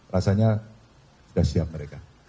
rasanya sudah siap mereka